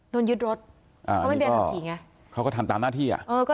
โดนยึดรถเอาเป็นเบียงขับขี่ไงเขาก็ทำตามหน้าที่อ่ะ